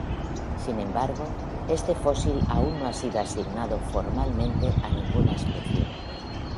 Sin embargo, este fósil aún no ha sido asignado formalmente a ninguna especie.